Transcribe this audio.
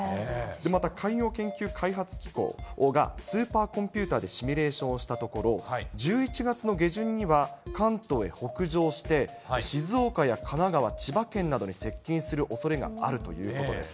また海洋研究開発機構がスーパーコンピューターでシミュレーションしたところ、１１月の下旬には関東へ北上して、静岡や神奈川、千葉県などに接近するおそれがあるということです。